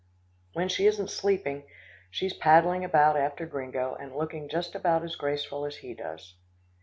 When she isn't sleeping, she is paddling about after Gringo, and looking just about as graceful as he does.